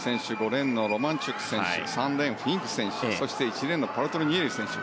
５レーンのロマンチュク選手３レーン、フィンク選手そして１レーンのパルトリニエリ選手